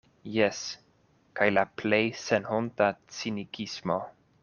Jes, kaj la plej senhonta cinikismo.